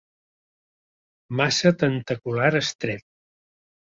Massa tentacular estreta.